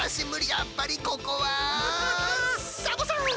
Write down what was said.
やっぱりここはサボさん！